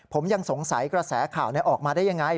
ผมยังสงสัยกระแสข่าวออกมาได้ยังไง